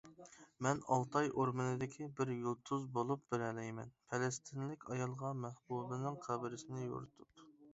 مەن ئالتاي ئورمىنىدىكى بىر يۇلتۇز بولۇپ بېرەلەيمەن پەلەستىنلىك ئايالغا مەھبۇبىنىڭ قەبرىسىنى يورۇتۇپ.